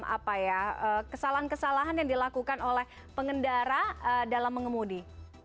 apa ya kesalahan kesalahan yang dilakukan oleh pengendara dalam mengemudi